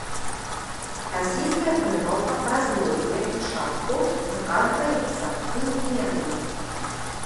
Расійская прымаўка пра злодзея і шапку згадваецца імгненна.